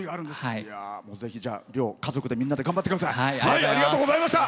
ぜひ漁、家族みんなで頑張ってください。